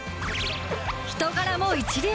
人柄も一流。